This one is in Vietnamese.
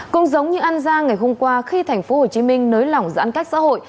cũng giống như an giang ngày hôm qua khi thành phố hồ chí minh nới lỏng giãn cách xã hội